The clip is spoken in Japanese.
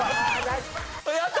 やった！